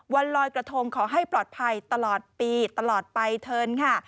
วันลอยกระทงขอให้ปลอดภัยตลอดปีตลอดไปเถินค่ะ